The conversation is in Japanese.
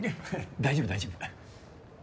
大丈夫大丈夫。